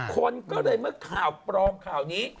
คนก็เลยเมื่อข่าวปลอมข่าวนี้